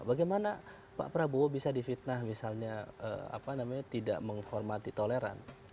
bagaimana pak prabowo bisa difitnah misalnya tidak menghormati toleran